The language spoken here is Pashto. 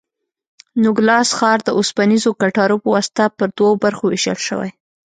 نوګالس ښار د اوسپنیزو کټارو په واسطه پر دوو برخو وېشل شوی.